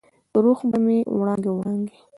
روح به مې وړانګې، وړانګې،